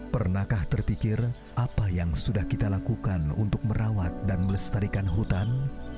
pernahkah terpikir apa yang sudah kita lakukan untuk merawat dan melestarikan hutan